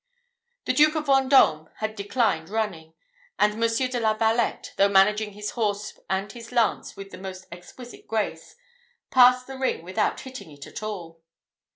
The Duke of Vendôme had declined running; and Monsieur de la Valette, though managing his horse and his lance with the most exquisite grace, passed the ring without hitting it at all.